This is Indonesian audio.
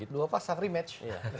dua pasang rematch